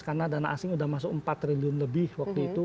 karena dana asing sudah masuk empat triliun lebih waktu itu